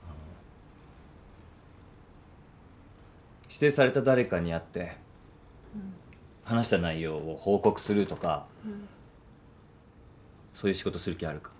指定された誰かに会って話した内容を報告するとかそういう仕事する気あるか？